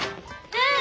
うん！